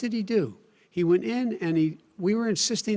dia tahu sejak februari seberapa serius krisis ini